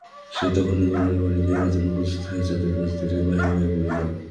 সে তখনই গোরার বাড়ি যাইবার জন্য প্রস্তুত হইয়া চাদর কাঁধে বাহির হইয়া পড়িল।